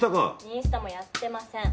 インスタもやってません。